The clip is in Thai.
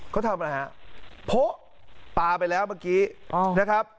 เขาทำอะไรฮะโพะปลาไปแล้วเมื่อกี้นะครับ